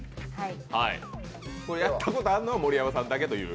やったことあるのは盛山さんだけという。